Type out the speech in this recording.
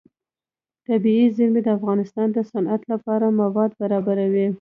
طبیعي زیرمې د افغانستان د صنعت لپاره مواد برابروي.